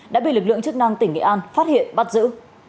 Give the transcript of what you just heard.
đã bị lực lượng chức năng tỉnh nghệ an phát hiện bắt giữ